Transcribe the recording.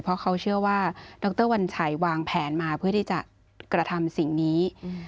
เพราะเขาเชื่อว่าดรวัญชัยวางแผนมาเพื่อที่จะกระทำสิ่งนี้